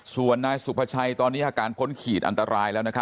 ส่วนนายสุภาชัยตอนนี้อาการพ้นขีดอันตรายแล้ว